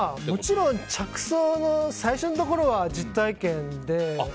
もちろん着想の最初のところは実体験で。